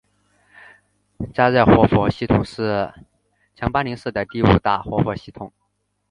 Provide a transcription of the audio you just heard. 嘉热活佛系统是强巴林寺的第五大活佛系统。